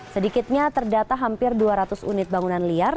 sedikitnya terdata hampir dua ratus unit bangunan liar